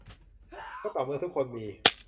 ก็ต่อเมื่อทุกคนมี